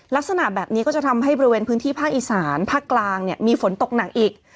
ลักษณะแบบนี้ก็จะทำให้บริเวณพื้นที่ภาคอีสานภาคกลางเนี่ยมีฝนตกหนักอีก